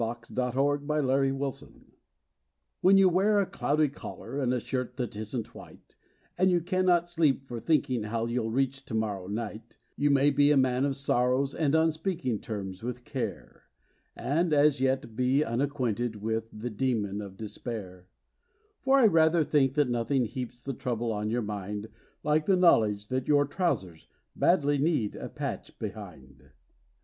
1905 When Your Pants Begin To Go HEN you wear a cloudy collar and a shirt that isn't white, And you cannot sleep for thinking how you'll reach to morrow night, You may be a man of sorrow, and on speaking terms with Care, But as yet you're unacquainted with the Demon of Despair ; For I rather think that nothing heaps the trouble on your mind Like the knowledge that your trousers badly need a patch behind.